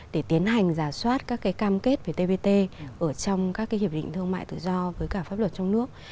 để tiến hành giả soát các cái cam kết về tbt ở trong các hiệp định thương mại tự do với cả pháp luật trong nước